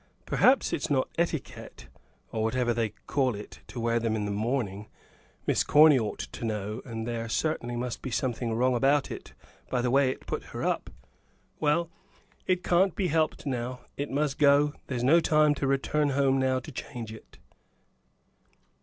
Perhaps it's not etiquette or whatever they call it to wear them in the morning, Miss Corny ought to know; and there certainly must be something wrong about it, by the way it put her up. Well, it can't be helped now; it must go; there's no time to return home now to change it."